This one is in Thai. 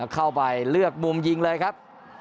เข้าไปเลือกมุมยิงเลยครับ